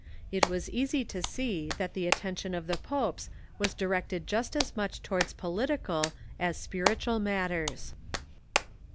It was easy to see that the attention of the popes was directed just as much towards political as spiritual matters.